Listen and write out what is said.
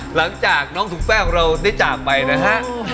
หลังจากน้องสุงแป้งของเราได้จากไปนะครับ